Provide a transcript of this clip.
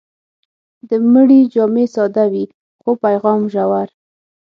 د مړي جامې ساده وي، خو پیغام ژور.